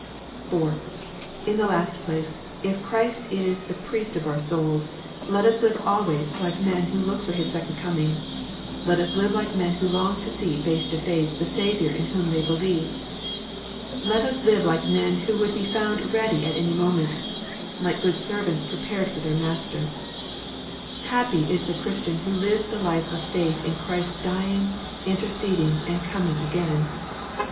(4) In the last place, if Christ is the Priest of our souls, let us live always like men who look for His second coining. Let us live like men who long to see face to face the Saviour in whom they believe. Let us live like men who would be found ready at any moment, like good servants prepared for their master. Happy is the Christian who lives the life of faith in Christ s dying, interceding, and coming again